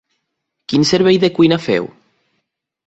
Quin servei de cuina feu?